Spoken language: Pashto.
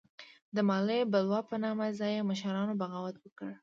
د مالیې بلوا په نامه ځايي مشرانو بغاوت وکړ.